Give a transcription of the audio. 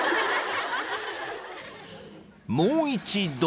［もう一度］